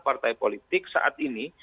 partai politik saat ini